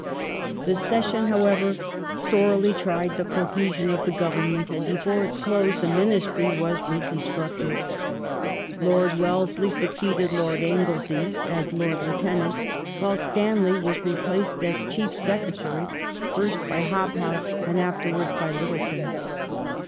The Session, however, sorely tried the cohesion of the Govern ment, and before its close the Ministry was reconstructed. Lord Wellesley succeeded Lord Anglesey as Lord Lieutenant, while Stanley was replaced as Chief Secretary, fii st by Hobhouse and after wards by Littleton.